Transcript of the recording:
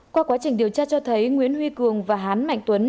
qua quá trình điều tra cho thấy nguyễn huy cường và hán mạnh tuấn